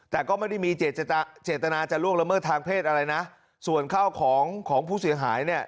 แต่ก็ไม่ได้มีเจตนาจะล่วงละเมิดทางเพศอะไรนะส่วนข้าวของของผู้เสียหายเนี่ย